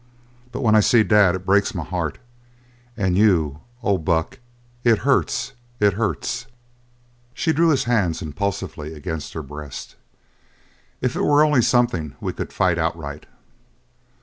But when I see Dad it breaks my heart and you oh, Buck, it hurts, it hurts!" She drew his hands impulsively against her breast. "If it were only something we could fight outright!"